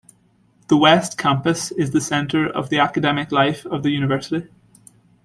The west campus is the center of the academic life of the university.